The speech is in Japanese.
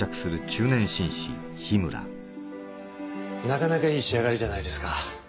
なかなかいい仕上がりじゃないですか。